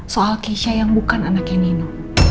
soal keisha yang bukan anaknya ninu